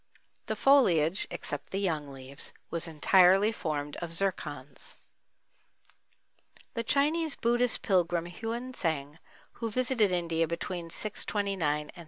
The foliage (except the young leaves) was entirely formed of zircons. The Chinese Buddhist pilgrim Heuen Tsang, who visited India between 629 and 645 A.D.